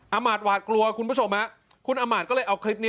มาตหวาดกลัวคุณผู้ชมฮะคุณอามาตย์ก็เลยเอาคลิปนี้